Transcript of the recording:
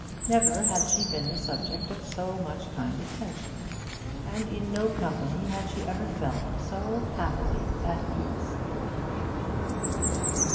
Never had she been the subject of so much kind attention, and in no company had she ever felt so happily at ease.